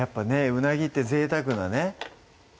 うなぎってぜいたくなね